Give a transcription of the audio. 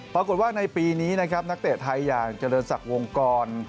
ปรากฏว่าในปีนี้นะครับนักเตะไทยอย่างเจริญศักดิ์วงกร